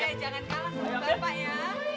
eh jangan kalah sama bapak ya